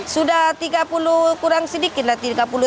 sudah tiga puluh kurang sedikit lah